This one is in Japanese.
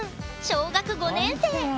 小学５年生。